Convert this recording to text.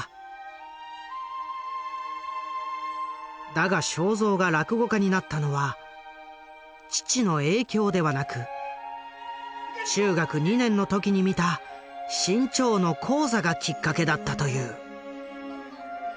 だが正蔵が落語家になったのは父の影響ではなく中学２年の時に見た志ん朝の高座がきっかけだったという。